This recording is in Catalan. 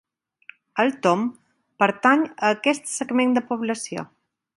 El Tom pertany a aquest segment de població.